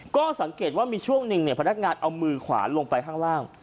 ก็สังเกตว่ามีช่วงหนึ่งพนักงานเอามือขวาลงไปข้างล่าง